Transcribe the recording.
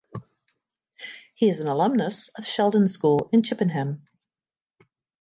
He is an alumnus of Sheldon School in Chippenham.